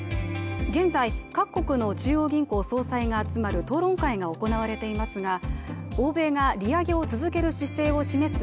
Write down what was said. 現在、各国の中央銀行総裁が集まる討論会が行われていますが欧米が利上げを続ける姿勢を示す